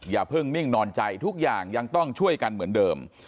อย่าเพิ่งนิ่งนอนใจทุกอย่างยังต้องช่วยกันเหมือนเดิม